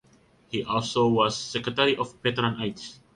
He also was Secretary of Veterans Aid.